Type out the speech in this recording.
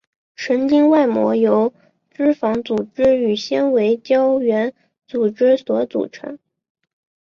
神经外膜由脂肪组织与纤维胶原组织所组成。